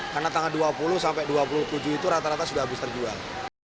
karena tanggal dua puluh dua puluh tujuh itu rata rata sudah habis terjual